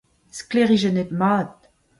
sklaerijennet-mat